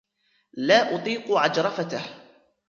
لا أطيق عجرفته.